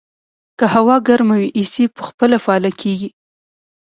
که هوا ګرمه وي، اې سي په خپله فعاله کېږي.